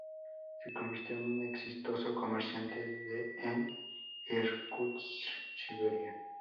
Se convirtió en un exitoso comerciante en Irkutsk, Siberia.